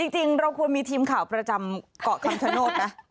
จริงเราควรมีทีมข่าวประจำเกาะคำชโนธนะ